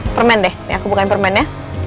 permen deh aku bukain permennya